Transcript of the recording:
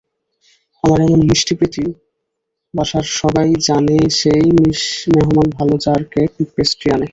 আমার এমন মিষ্টিপ্রীতি বাসার সবাই জানেসেই মেহমান ভালো যারা কেক, পেস্ট্রি আনে।